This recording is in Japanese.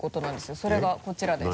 それがこちらです。